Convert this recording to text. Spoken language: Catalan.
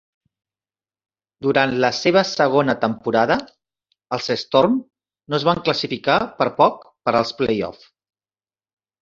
Durant la seva segona temporada, els Storm no es van classificar per poc per als playoff.